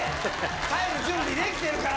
早く、準備できてるから。